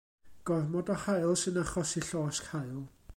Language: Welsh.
Gormod o haul sy'n achosi llosg haul.